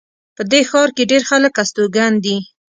په دې ښار کې ډېر خلک استوګن دي